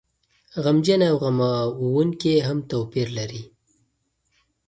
غمجنه او غموونکې هم توپير لري.